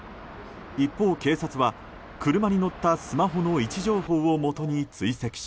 一方、警察は車に乗ったスマホの位置情報をもとに追跡し